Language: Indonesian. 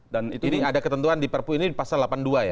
jadi ada ketentuan di perpu ini pasal delapan puluh dua ya